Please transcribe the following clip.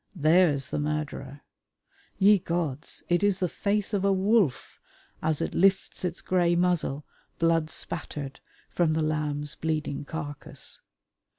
There's the murderer. Ye gods! it is the face of a wolf as it lifts its grey muzzle, blood spattered, from the lamb's bleeding carcase.